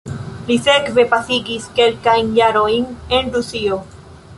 Li sekve pasigis kelkajn jarojn en Rusio.